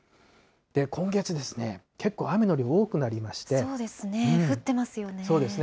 今月、けっこう雨の量、多くなりそうですね、降ってますよね。